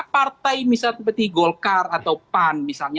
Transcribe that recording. partai misalnya seperti golkar atau pan misalnya